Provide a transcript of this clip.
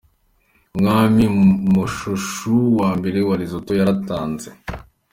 Umwami Moshoeshoe wa mbere wa Lesotho, yaratanze.